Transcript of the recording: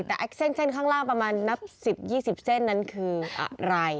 แต่เส้นข้างล่างประมาณนับ๑๐๒๐เส้นนั้นคืออะไร